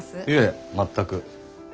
いえ全く。